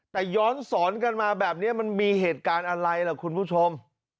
แต่ย้อนสอนกันมาแบบนี้มันมีเหตุการณ์อะไรล่ะคุณผู้ชม